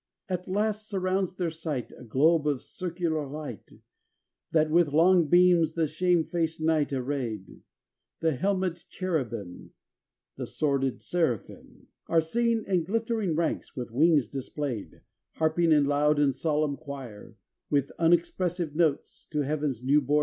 XI At last surrounds their sight A globe of circular light, That with long beams the shamefaced Night arrayed; The helmed Cherubim And sworded Seraphim Are seen in glittering ranks with wings displayed, Harping in loud and solemn quire, With unexpressive notes, to Heaven's new bom Heir.